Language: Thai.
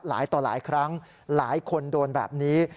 หลายต่อหลายครั้งหลายคนโดนแบบนี้